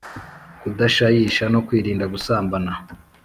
kudashayisha no kwirinda gusambana